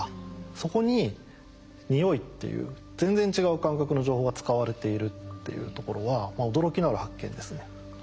そこに匂いっていう全然違う感覚の情報が使われているっていうところは驚きのある発見ですね。